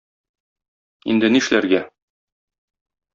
Инде ни эшләргә?